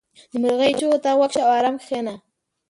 • د مرغیو چغې ته غوږ شه او آرام کښېنه.